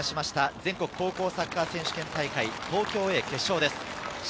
全国高校サッカー選手権大会東京Ａ決勝です。